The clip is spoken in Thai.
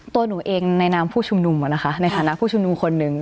ตัวหนูเองในนามผู้ชุมนุมในฐานะผู้ชุมนุมคนหนึ่ง